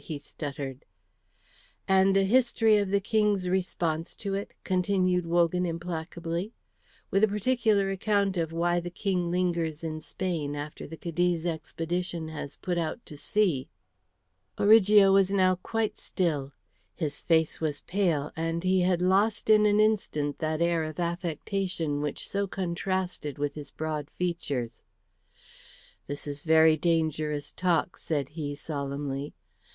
he stuttered. "And a history of the King's response to it," continued Wogan, implacably, "with a particular account of why the King lingers in Spain after the Cadiz expedition has put out to sea." Origo was now quite still. His face was pale, and he had lost in an instant that air of affectation which so contrasted with his broad features. "This is very dangerous talk," said he, solemnly.